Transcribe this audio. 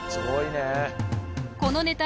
このネタ